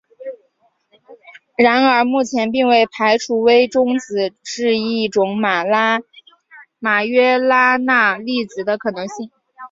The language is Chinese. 然而目前并未排除微中子是一种马约拉纳粒子的可能性。